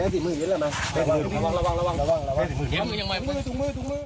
เบสมืออีกแล้วนะระวัง